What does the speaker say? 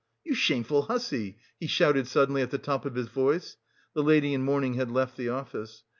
"You shameful hussy!" he shouted suddenly at the top of his voice. (The lady in mourning had left the office.)